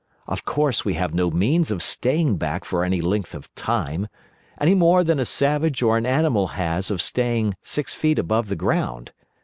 Of course we have no means of staying back for any length of Time, any more than a savage or an animal has of staying six feet above the ground.